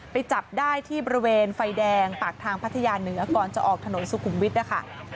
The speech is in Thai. ไปจับได้ที่บริเวณไฟแดงปากทางพัทยาเหนือก่อนจะออกถนนสุขุมวิทย์นะคะ